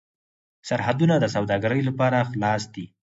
سرحدونه د سوداګرۍ لپاره خلاص دي.